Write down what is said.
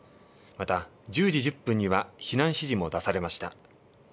また１０時１０分には避難指示も出されました。